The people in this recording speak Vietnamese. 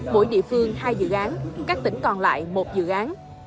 mỗi địa phương hai dự án các tỉnh còn lại một dự án